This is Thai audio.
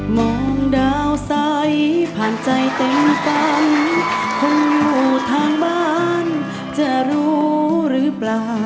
มองดาวใสผ่านใจเต็มฝันผู้ทางบ้านจะรู้หรือเปล่า